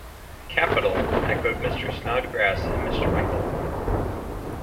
‘Capital!’ echoed both Mr. Snodgrass and Mr. Winkle.